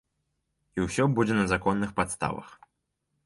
І ўсё будзе на законных падставах.